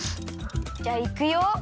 じゃあいくよ。